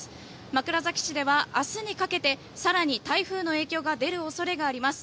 枕崎市では明日にかけて更に台風の影響が出る恐れがあります。